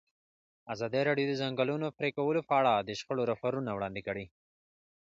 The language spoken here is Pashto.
ازادي راډیو د د ځنګلونو پرېکول په اړه د شخړو راپورونه وړاندې کړي.